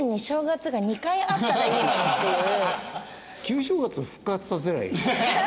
旧正月を復活させればいい。